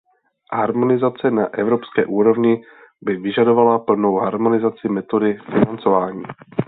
Harmonizace na evropské úrovni by vyžadovala plnou harmonizaci metody financování.